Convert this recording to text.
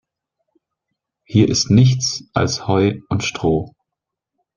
Hier ist nichts als Heu und Stroh.